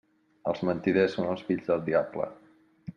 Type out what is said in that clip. Els mentiders són els fills del diable.